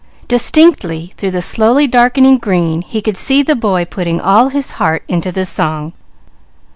Distinctly, through the slowly darkening green, he could see the boy putting all his heart into the song.